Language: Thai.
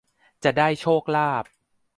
จะได้โชคลาภ